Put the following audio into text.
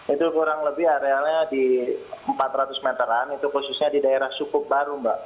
itu kurang lebih arealnya di empat ratus meteran itu khususnya di daerah sukuk baru mbak